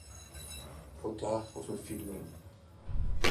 Trop tard pour ce film.